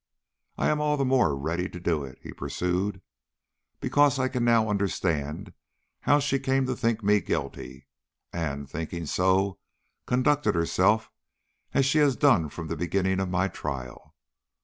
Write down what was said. I am all the more ready to do it," he pursued, "because I can now understand how she came to think me guilty, and, thinking so, conducted herself as she has done from the beginning of my trial.